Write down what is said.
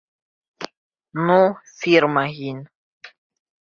Ну, фирма «һин»...